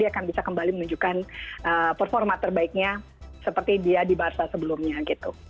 dia akan bisa kembali menunjukkan performa terbaiknya seperti dia di barca sebelumnya gitu